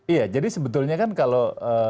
iya jadi sebetulnya kan kalau